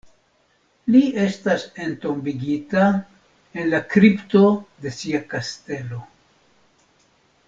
Li estas entombigita en la kripto de sia kastelo.